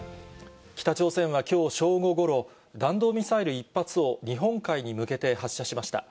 北朝鮮はきょう正午ごろ、弾道ミサイル１発を日本海に向けて発射しました。